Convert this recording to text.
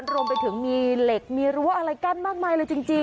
โรงไปถึงมีเหล็กมีอะไรกันมากมายเลยจริง